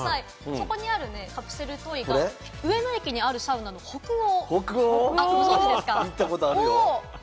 そこにあるカプセルトイが上野駅にあるサウナ北欧。